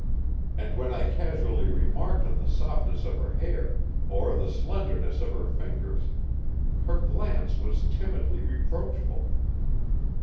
And when I casually remarked on the softness of her hair, or the slenderness of her fingers, her glance was timidly reproachful.